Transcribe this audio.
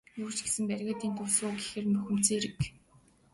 Юу ч гэсэн бригадын төвд суу гэхээр нь бухимдсан хэрэг.